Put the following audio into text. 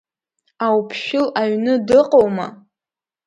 Ауԥшәыл аҩны дыҟоума?